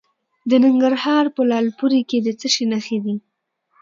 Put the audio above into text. د ننګرهار په لعل پورې کې د څه شي نښې دي؟